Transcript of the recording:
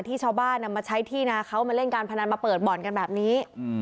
ที่ชาวบ้านนำมาใช้ที่นาเขามาเล่นการพนันมาเปิดบ่อนกันแบบนี้